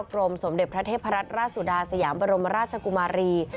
สมเด็จพระเทพรัตนราชสุดาสยามบรมราชกุมารี